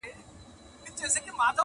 ما ویل زه به ټول نغمه، نغمه سم!.